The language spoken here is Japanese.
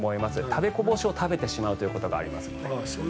食べこぼしを食べてしまうということがあります。